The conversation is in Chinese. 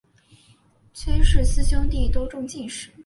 崔氏四兄弟都中进士。